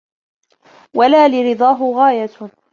وَلَا لِرِضَاهُ غَايَةٌ